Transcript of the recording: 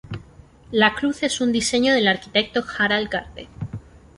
La cruz es un diseño del arquitecto Harald Garde.